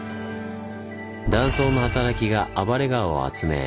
断層の働きが暴れ川を集め